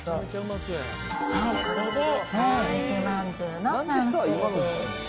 これで水まんじゅうの完成です。